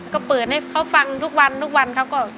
ก็เปิดให้เขาฟังทุกวันทุกวันเขาก็